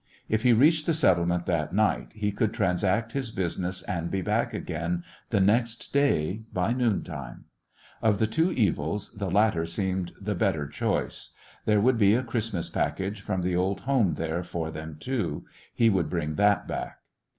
If he reached the settlement that night he could tran sact his business and be back again the next day by noontime. Of the two evils, the latter seemed the better choice. There would be a Christmas package from the old home there for them, too. He would bring that back.